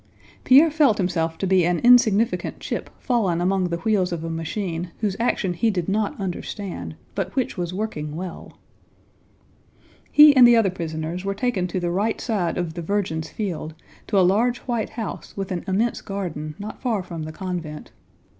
Pierre felt himself to be an insignificant chip fallen among the wheels of a machine whose action he did not understand but which was working well. He and the other prisoners were taken to the right side of the Virgin's Field, to a large white house with an immense garden not far from the convent.